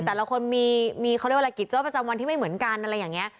แต่ละคนมีมีเขาเรียกว่าประจำวันที่ไม่เหมือนกันอะไรอย่างเงี้ย